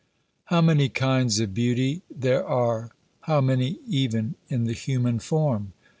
How many kinds of beauty there are! How many even in the human form!